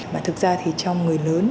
mà thực ra thì trong người lớn